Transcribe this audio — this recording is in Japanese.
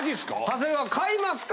長谷川買いますか？